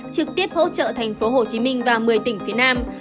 trực tiếp hỗ trợ thành phố hồ chí minh và một mươi tỉnh phía nam